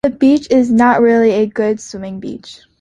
The beach is not really a good swimming beach.